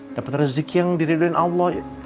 dapet rezeki yang diridikan allah